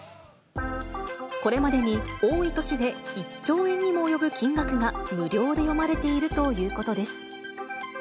これまでに多い年で、１兆円にも及ぶ金額が無料で読まれているということです。